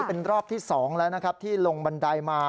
เป็นรอบที่๒แล้วที่ลงบันไดมา